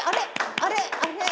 あれ？